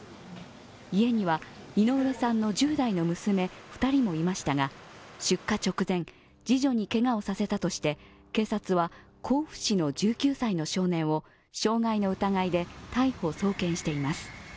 家には井上さんの１０代の娘２人もいましたが出火直前、次女にけがをさせたとして警察は甲府市の１９歳の少年を傷害の疑いで逮捕・送検しています。